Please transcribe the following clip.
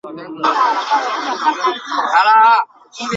戈耳狄俄斯原本是农夫出身。